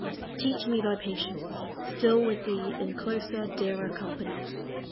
Teach me thy patience; still with thee In closer, dearer company.